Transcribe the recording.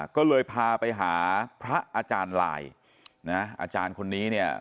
ก็เลยพาไปหาพระอาจารย์ลายนะอาจารย์คนนี้เนี่ย